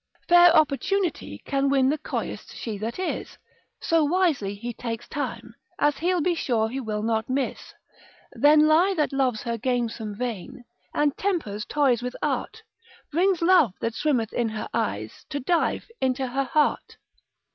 Fair opportunity can win the coyest she that is, So wisely he takes time, as he'll be sure he will not miss: Then lie that loves her gamesome vein, and tempers toys with art, Brings love that swimmeth in her eyes to dive into her heart.